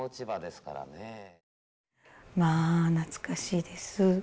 まあ懐かしいです。